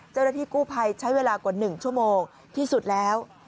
เจ้าหน้าที่กู้ภัยใช้เวลากว่า๑ชั่วโมงที่สุดแล้ว